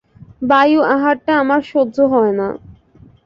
বায়ু-আহারটা আমার সহ্য হয় না।